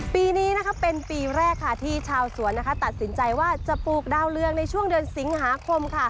ปีนี้เป็นปีแรกที่ชาวสวนตัดสินใจว่าจะปลูกดาวเรืองในช่วงเดือนสิงหาคม